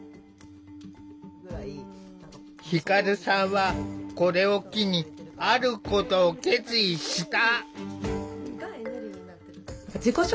輝さんはこれを機にあることを決意した。